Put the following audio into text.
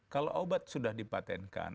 kalau obat sudah dipatenkan